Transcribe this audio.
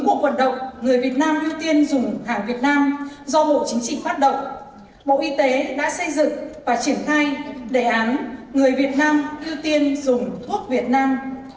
bộ y tế đã xây dựng và triển khai đề án người việt nam ưu tiên dùng thuốc việt nam